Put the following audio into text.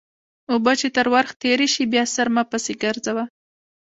اوبه چې تر ورخ تېرې شي؛ بیا سر مه پسې ګرځوه.